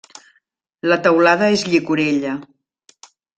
La teulada és llicorella.